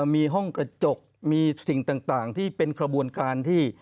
มีห้องกระจกมีสิ่งต่างที่เป็นขบวนการที่